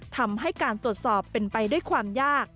ทำให้การตรวจสอบเป็นไปด้วยความยาก